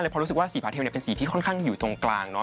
เพราะรู้สึกว่าสีผาเทลเป็นสีที่ค่อนข้างอยู่ตรงกลางเนอ